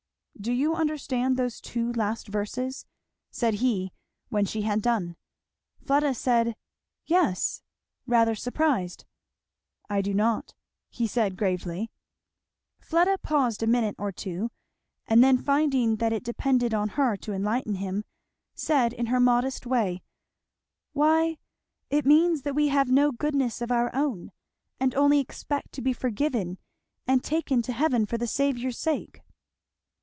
"Do you understand those two last verses?" said he when she had done. Fleda said "Yes!" rather surprised. "I do not," he said gravely. Fleda paused a minute or two, and then finding that it depended on her to enlighten him, said in her modest way, "Why it means that we have no goodness of our own, and only expect to be forgiven and taken to heaven for the Saviour's sake."